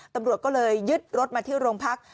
ตำรวจก็เลยยึดรถมาที่โรงพัก